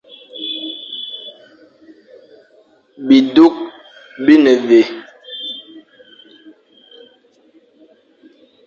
Bi duk bi ne vé ?